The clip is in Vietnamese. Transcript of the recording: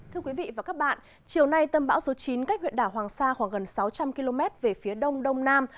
thưa quý vị và các bạn chiều nay tâm bão số chín cách huyện đảo hoàng sa khoảng gần sáu trăm linh km về phía đông đông nam